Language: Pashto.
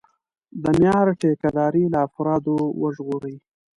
د معیار ټیکهداري له افرادو وژغوري.